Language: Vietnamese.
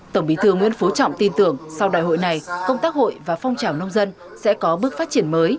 tổng bí thư nguyễn phú trọng tin tưởng sau đại hội này công tác hội và phong trào nông dân sẽ có bước phát triển mới